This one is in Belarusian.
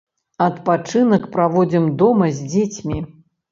Адпачынак праводзім дома з дзецьмі.